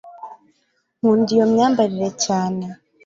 nkunda iyo myambarire cyane